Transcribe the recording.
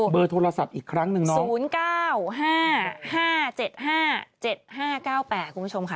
เบอร์โทรศัพท์อีกครั้งหนึ่งเนาะ๐๙๕๕๗๕๗๕๙๘คุณผู้ชมค่ะ